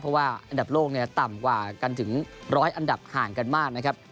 เพราะว่าอันดับโลกเนี่ยต่ำกว่ากันถึงร้อยอันดับห่างกันมากนะครับ